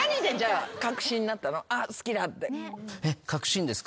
あっ好きだって。